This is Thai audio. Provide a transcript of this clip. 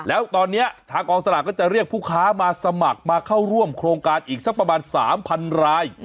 แล้วตอนนี้ทางกองสลากก็จะเรียกผู้ค้ามาสมัครมาเข้าร่วมโครงการอีกสักประมาณ๓๐๐ราย